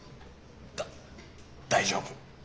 だ大丈夫。